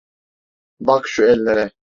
Bak şu ellere…